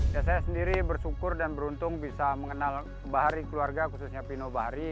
ya saya sendiri bersyukur dan beruntung bisa mengenal bahari keluarga khususnya pino bahari